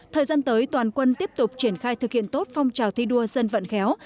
thời gian tới toàn quân tiếp tục triển khai thực hiện tốt phong trào thi đua dân vận khéo